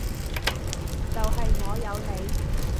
就係我有你